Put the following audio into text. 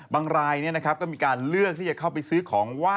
บางรายเนี่ยนะครับก็มีการเลื่อนที่จะเข้าไปซื้อของไหว้เจ้า